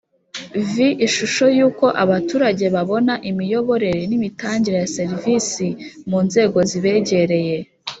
vi Ishusho y uko Abaturage babona Imiyoborere n Imitangire ya Serivisi mu nzego zibegereye